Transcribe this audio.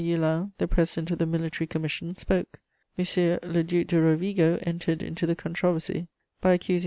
Hulin, the president of the military commission, spoke; M. le Duc de Rovigo entered into the controversy by accusing M.